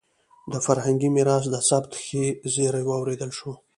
د فرهنګي میراث د ثبت ښه زېری واورېدل شو.